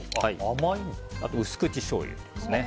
あと薄口しょうゆです。